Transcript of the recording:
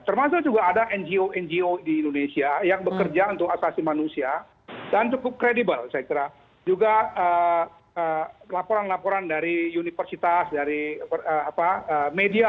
termasuk juga ada ngo ngo di indonesia yang bekerja untuk hak azazi manusia dan cukup kredibel saya kira